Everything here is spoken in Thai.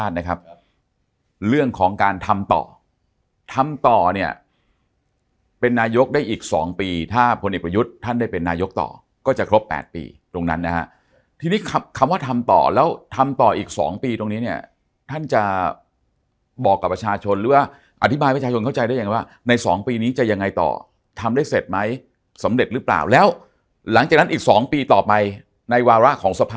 นะครับเรื่องของการทำต่อทำต่อเนี่ยเป็นนายกได้อีก๒ปีถ้าพลเอกประยุทธ์ท่านได้เป็นนายกต่อก็จะครบ๘ปีตรงนั้นนะฮะทีนี้คำว่าทำต่อแล้วทำต่ออีก๒ปีตรงนี้เนี่ยท่านจะบอกกับประชาชนหรือว่าอธิบายประชาชนเข้าใจได้ยังว่าใน๒ปีนี้จะยังไงต่อทำได้เสร็จไหมสำเร็จหรือเปล่าแล้วหลังจากนั้นอีก๒ปีต่อไปในวาระของสภา